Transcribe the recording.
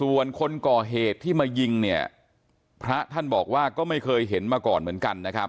ส่วนคนก่อเหตุที่มายิงเนี่ยพระท่านบอกว่าก็ไม่เคยเห็นมาก่อนเหมือนกันนะครับ